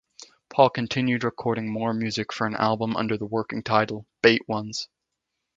Paul continued recording more music for an album under the working title "Bait Ones".